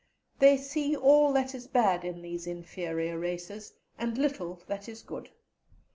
They see all that is bad in these "inferior races," and little that is good.